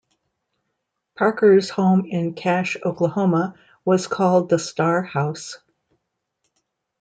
Parker's home in Cache, Oklahoma was called the Star House.